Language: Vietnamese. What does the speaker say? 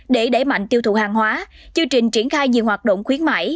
để đẩy mạnh tiêu thụ hàng hóa chương trình triển khai nhiều hoạt động khuyến mại